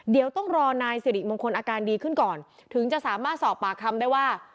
เดี๋ยวต้องรอนายสิริมงคลอาการดีขึ้นก่อนถึงจะสามารถสอบปากคำได้ว่า